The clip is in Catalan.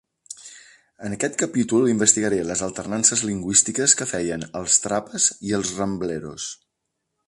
En aquest capítol investigaré les alternances lingüístiques que feien els Trapas i els Rambleros.